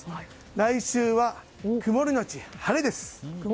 来週は、曇り後晴れです。